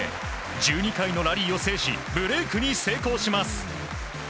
１２回のラリーを制しブレークに成功します。